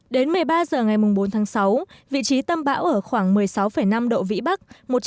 đến một mươi ba h ngày bốn tháng sáu vị trí tâm bão ở khoảng một mươi sáu năm độ vĩ bắc